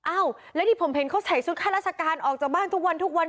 อ้าวแล้วที่ผมเห็นเขาใส่ชุดข้าราชการออกจากบ้านทุกวันทุกวัน